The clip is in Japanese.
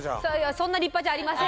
そんな立派じゃありません。